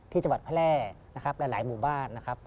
จังหวัดแพร่นะครับหลายหมู่บ้านนะครับ